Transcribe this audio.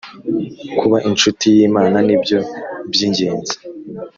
Kuba incuti y ‘Imana ni byo by ‘ingenzi .